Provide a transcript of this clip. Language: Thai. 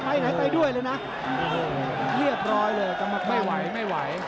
ไหนไปด้วยเลยนะเรียบร้อยเลยแต่ไม่ไหวไม่ไหว